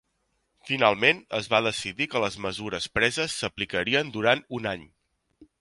Finalment, es va decidir que les mesures preses s'aplicarien durant un any.